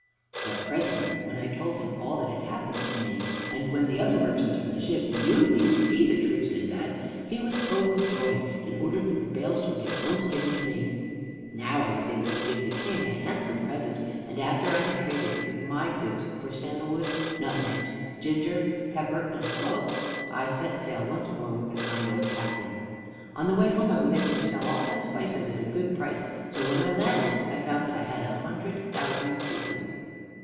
"But presently, when I had told him all that had happened to me, and when the other merchants from the ship knew me to be the true Sindbad, he was overjoyed, and ordered that the bales should be at once given to me. "Now I was able to give the King a handsome present, and after I had traded with my goods for sandal wood, nutmegs, ginger, pepper and cloves, I set sail once more with the kind old captain. On the way home I was able to sell all my spices at a good price, so that when I landed I found I had a hundred thousand sequins.